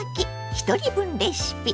ひとり分レシピ」。